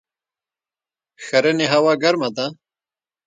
ښرنې هوا ګرمه ده؟